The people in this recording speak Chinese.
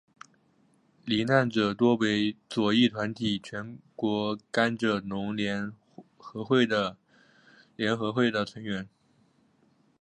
罹难者多为左翼团体全国甘蔗农联合会的成员。